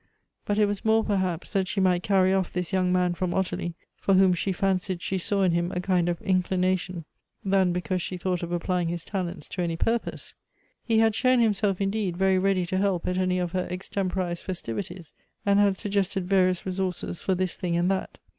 But it was more, perhaps, that she might cai ry off this young man from Ottilie (for whom she fancied she saw in him a kind of inclination,) than because she thought of applying his talents to any purpose. He had shown himself, indeed, very ready to help at any of her extem porized festivities, and had suggested various resources for this thing and that.